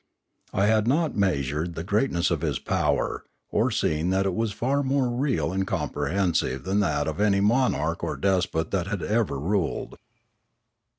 I had not meas ured the greatness of his power, or seen that it was far more real and comprehensive than that of any monarch or despot that had ever ruled.